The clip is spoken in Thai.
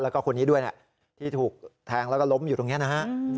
แล้วก็คนนี้ด้วยที่ถูกแทงแล้วก็ล้มอยู่ตรงนี้นะฮะ